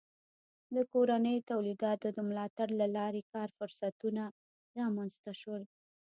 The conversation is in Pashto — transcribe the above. د کورنیو تولیداتو د ملاتړ له لارې کار فرصتونه رامنځته شول.